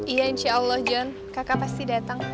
iya insya allah john kakak pasti datang